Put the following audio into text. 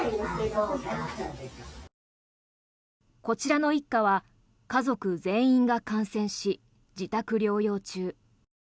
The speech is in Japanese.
こちらの一家は家族全員が感染し自宅療養中。